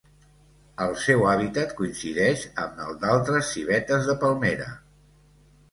El seu hàbitat coincideix amb el d'altres civetes de palmera.